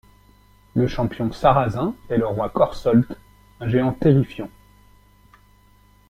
Le champion sarrazin est le roi Corsolt, un géant terrifiant.